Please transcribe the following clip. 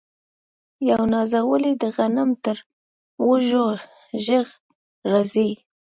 یو نازولی د غنم تر وږو ږغ راځي